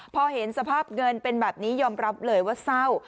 พอเห็นสภาพเงินเป็นแบบนี้ยอมรับเลยว่าเศร้า